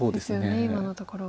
今のところは。